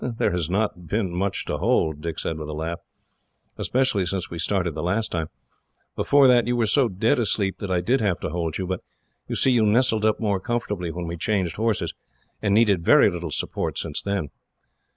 "There has not been much to hold," Dick said with a laugh, "especially since we started the last time. Before that, you were so dead asleep that I did have to hold you; but, you see, you nestled up more comfortably when we changed horses, and needed very little support since then."